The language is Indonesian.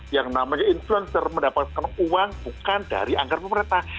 yang namanya influencer mendapatkan uang bukan dari anggaran pemerintah